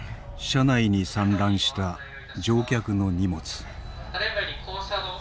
車内に散乱した乗客の荷物。